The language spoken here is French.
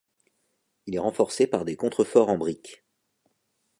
Il est renforcé par des contreforts en brique.